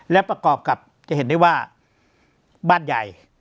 และประกอบกับจะเห็นได้ว่าบ้านใหญ่